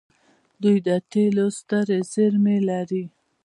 دوی د تیلو سترې زیرمې لري.